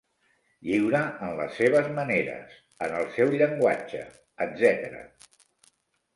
Lliure en les seves maneres, en el seu llenguatge, etc.